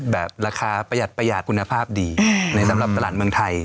แบบราคาประหยัดประหยาดคุณภาพดีในสำหรับตลาดเมืองไทย